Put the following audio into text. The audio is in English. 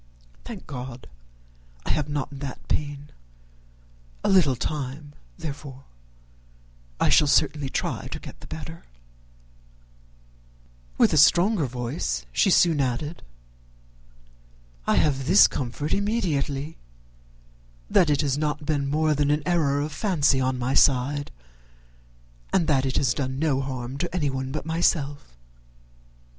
Thank God I have not that pain. A little time, therefore I shall certainly try to get the better " With a stronger voice she soon added, "I have this comfort immediately, that it has not been more than an error of fancy on my side, and that it has done no harm to anyone but myself."